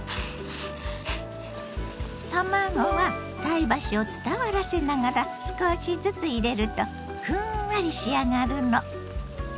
卵は菜箸を伝わらせながら少しずつ入れるとふんわり仕上がるの。